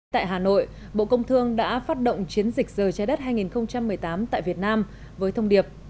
tại hà nội bộ công thương đã phát động chiến dịch giờ trái đất hai nghìn một mươi tám tại việt nam với thông điệp